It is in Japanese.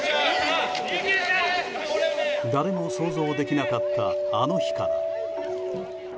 誰も想像できなかったあの日から。